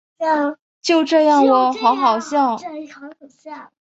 就这样喔好好笑